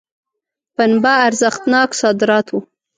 پنبه ارزښتناک صادرات وو.